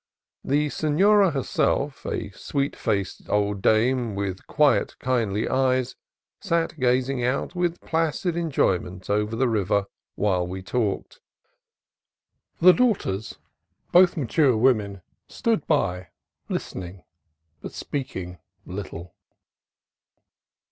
The sefiora herself, a sweet faced old dame with quiet, kindly eyes, sat gazing out with placid enjoyment over the river while we talked; the daughters, both mature women, stood by, listening, but speaking little.